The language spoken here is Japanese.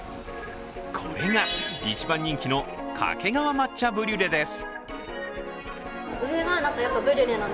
これが、一番人気の掛川抹茶ブリュレです。